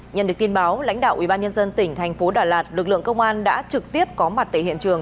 nhận được tin báo lãnh đạo ubnd tỉnh thành phố đà lạt lực lượng công an đã trực tiếp có mặt tại hiện trường